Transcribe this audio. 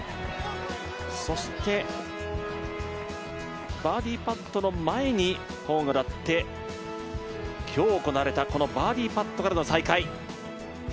そしてバーディーパットの前に、ホーンが鳴って今日行われたバーディーパットからの再開。